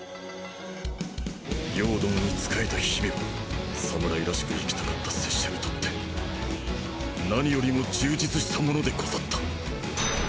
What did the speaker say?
葉殿に仕えた日々は侍らしく生きたかった拙者にとって何よりも充実したものでござった。